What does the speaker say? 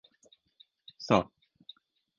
สด